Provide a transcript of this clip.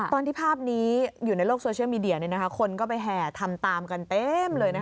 ภาพนี้อยู่ในโลกโซเชียลมีเดียคนก็ไปแห่ทำตามกันเต็มเลย